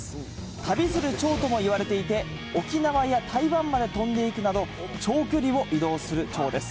旅するちょうともいわれていて、沖縄や台湾まで飛んでいくなど、長距離を移動するちょうです。